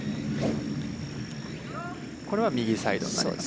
これは右サイドになります。